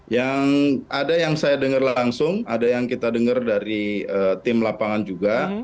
yang ada yang saya dengar langsung ada yang kita dengar dari tim lapangan juga